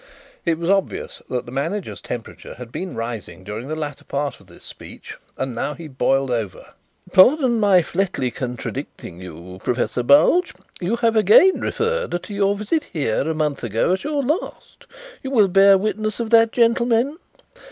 It was obvious that the manager's temperature had been rising during the latter part of this speech and now he boiled over. "Pardon my flatly contradicting you, Professor Bulge. You have again referred to your visit here a month ago as your last. You will bear witness of that, gentlemen.